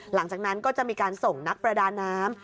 หลังจากนั้นก็จะมีการส่งนักประดาน้ำ